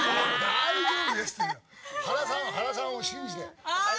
大丈夫ですハラさんを信じて。